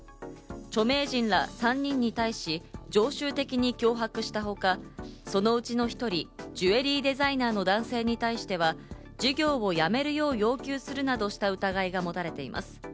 著名人ら３人に対し、常習的に脅迫したほか、そのうちの１人、ジュエリーデザイナーの男性に対しては事業をやめるよう、要求するなどした疑いが持たれています。